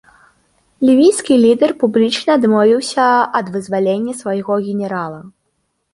Лівійскі лідар публічна адмовіўся ад вызвалення свайго генерала.